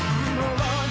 はい。